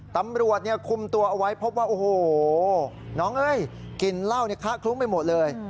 ตำรวจคุมตัวออกไว้พบว่าโอ้โหน้องไอ้กลิ่นเหล้าเนี่ยค่าคลุ้มไปหมดเลย